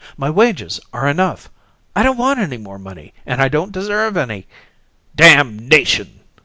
My wages are enough. I don't want any more money, and I don't deserve any " "Damnation!"